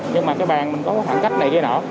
nhưng mà cái bàn mình có khoảng cách này kia nọ